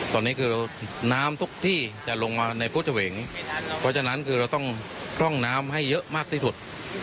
ตอนนี้คือน้ำทุกที่จะลงมาในพุทธเฉวงเพราะฉะนั้นคือเราต้องพร่องน้ำให้เยอะมากที่สุด